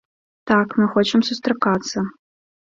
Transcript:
Так, мы хочам сустракацца.